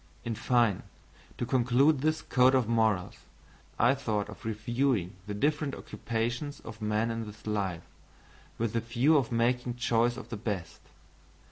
In fine, to conclude this code of morals, I thought of reviewing the different occupations of men in this life, with the view of making choice of the best.